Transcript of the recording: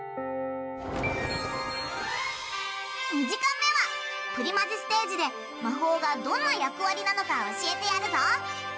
２時間目はプリマジステージで魔法がどんな役割なのか教えてやるぞ。